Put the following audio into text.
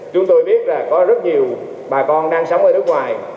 chúng tôi biết là có rất nhiều bà con đang sống ở nước ngoài